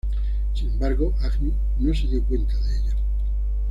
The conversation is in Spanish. Sin embargo Agni, no se dio cuenta de ella.